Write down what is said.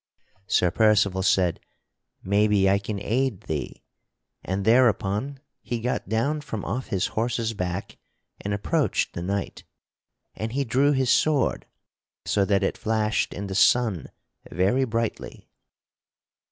Sir Percival said, "Maybe I can aid thee," and thereupon he got down from off his horse's back and approached the knight. And he drew his sword so that it flashed in the sun very brightly.